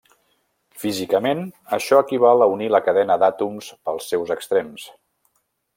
Físicament, això equival a unir la cadena d'àtoms pels seus extrems.